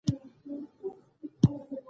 ستاسي لېنکه په برياليتوب سره حفظ شوه